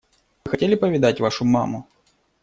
Вы хотели повидать вашу маму?